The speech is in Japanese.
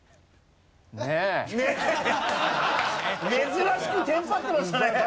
珍しくテンパってましたね。